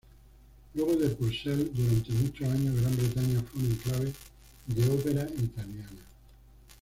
Luego de Purcell, durante muchos años Gran Bretaña fue un enclave de ópera italiana.